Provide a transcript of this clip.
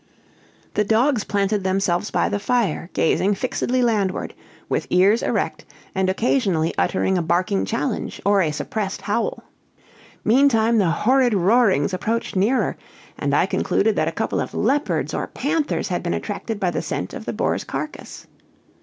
The dogs planted themselves by the fire, gazing fixedly landward, with ears erect, and occasionally uttering a barking challenge, or a suppressed howl. Meantime, the horrid roarings approached nearer, and I concluded that a couple of leopards or panthers had been attracted by the scent of the boar's carcass.